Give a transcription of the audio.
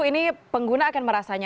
ini pengguna akan merasainya